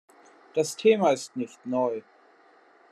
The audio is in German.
Das Thema ist nicht neu.